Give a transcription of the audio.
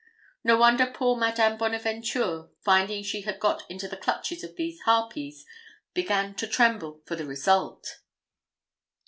No wonder poor Madame Bonaventure, finding she had got into the clutches of these harpies, began to tremble for the result.